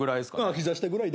膝下ぐらいだ。